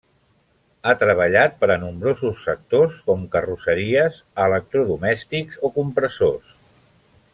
Ha treballat per a nombrosos sectors com carrosseries, electrodomèstics o compressors.